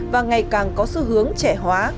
và ngày càng có xu hướng trẻ hóa